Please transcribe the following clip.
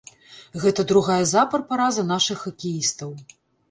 Гэта другая запар параза нашых хакеістаў.